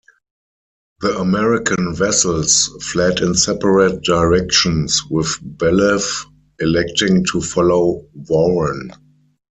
The American vessels fled in separate directions, with Bellew electing to follow "Warren".